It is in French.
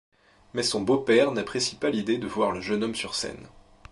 Mais son beau-père n'apprécie pas l'idée de voir le jeune homme sur scène.